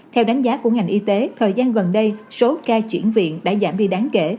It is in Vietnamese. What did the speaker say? theo đánh giá của ngành y tế thời gian gần đây số ca chuyển viện đã giảm đi đáng kể